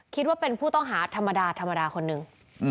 คิดว่าเป็นผู้ต้องหาธรรมดาธรรมดาคนนึง